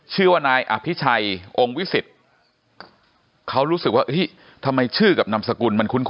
ชื่อว่านายอภิชัยองค์วิสิตเขารู้สึกว่าทำไมชื่อกับนามสกุลมันคุ้น